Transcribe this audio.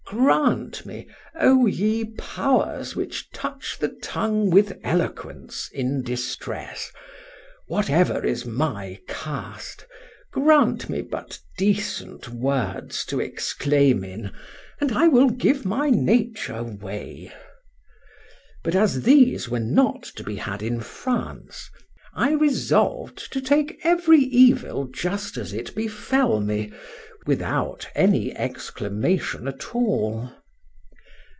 — Grant me, O ye powers which touch the tongue with eloquence in distress!—what ever is my cast, grant me but decent words to exclaim in, and I will give my nature way. —But as these were not to be had in France, I resolved to take every evil just as it befell me, without any exclamation at all.